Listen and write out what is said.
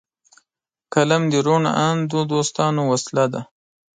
قلم د روڼ اندو دوستانه وسله ده